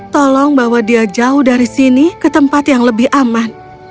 tolong bawa dia jauh dari sini ke tempat yang lebih aman